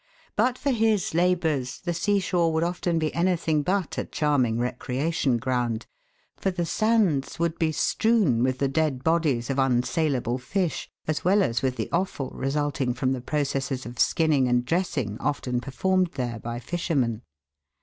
But for his labours the sea shore would often be anything but a charming recreation ground, for the sands would be strewn with the dead bodies of 230 THE WORLD'S LUMBER ROOM. unsaleable fish, as well as with the offal resulting from the processes of skinning and dressing often performed there by fishermen.